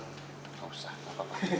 gak usah gapapa